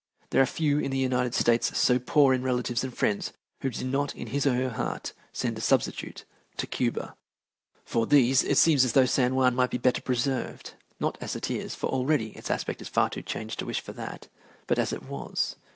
There are few in the United States so poor in relatives and friends who did not in his or her heart send a substitute to Cuba. For these it seems as though San Juan might be better preserved, not as it is, for already its aspect is too far changed to wish for that, but as it was.